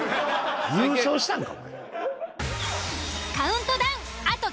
優勝したんか。